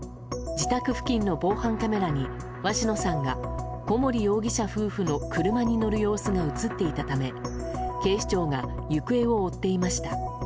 自宅付近の防犯カメラに鷲野さんが小森容疑者夫婦の車に乗る様子が映っていたため警視庁が行方を追っていました。